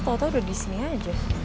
tau tau udah disini aja